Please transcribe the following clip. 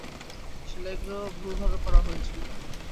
সেলাই গুলো ভুল ভাবে করা হয়েছিল।